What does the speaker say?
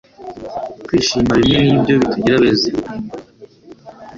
kwishima bimwe nibyo bitugira beza